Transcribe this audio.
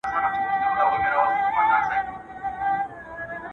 د کندهار په حجرو کي کوم شعرونه ویل کيږي؟